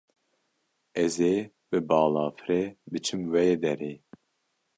Ez ê bi balafirê biçim wê derê.